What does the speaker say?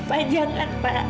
pak jangan pak